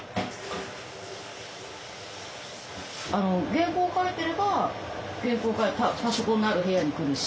原稿書いてればパソコンのある部屋に来るし